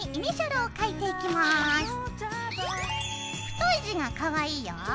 太い字がかわいいよ。